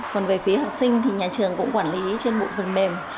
còn về phía học sinh thì nhà trường cũng quản lý trên bộ phần mềm